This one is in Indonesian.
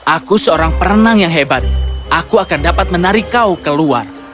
aku seorang perenang yang hebat aku akan dapat menarik kau keluar